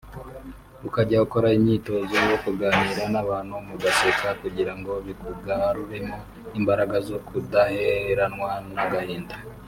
ukajya ukora umwitozo wo kuganira n’abantu mugaseka kugirango bikugaruremo imbaraga zo kudaheranwa n’agahinda